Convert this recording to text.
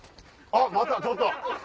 あっまたちょっと！